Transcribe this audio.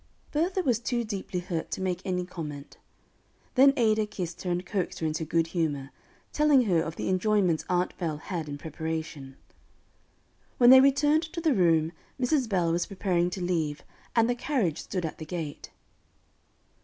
Bertha was too deeply hurt to make any comment. Then Ada kissed her and coaxed her into good humor, telling her of the enjoyments Aunt Bell had in preparation. When they returned to the room, Mrs. Bell was preparing to leave, and the carriage stood at the gate.